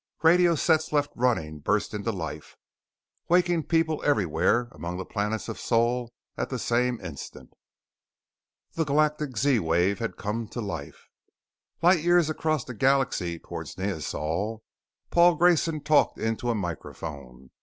Radio sets left running burst into life, waking people everywhere among the planets of Sol at the same instant. The Galactic Z wave had come to life! Light years across the galaxy towards Neosol, Paul Grayson talked into a microphone.